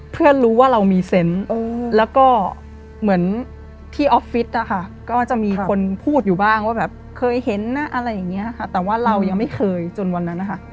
เพื่อนรู้ว่าเรามีเซนต์แล้วก็เหมือนที่ออฟฟิศนะคะก็จะมีคนพูดอยู่บ้างว่าแบบเคยเห็นนะอะไรอย่างนี้ค่ะแต่ว่าเรายังไม่เคยจนวันนั้นนะคะ